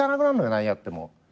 何やっても。